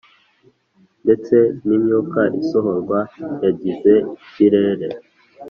Ndetse n imyuka isohorwa yangiza ikirere